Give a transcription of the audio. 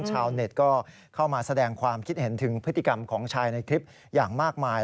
ชาวเน็ตก็เข้ามาแสดงความคิดเห็นถึงพฤติกรรมของชายในคลิปอย่างมากมาย